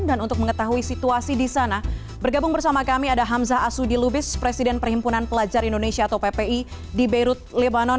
dan untuk mengetahui situasi di sana bergabung bersama kami ada hamzah asudi lubis presiden perhimpunan pelajar indonesia atau ppi di beirut lebanon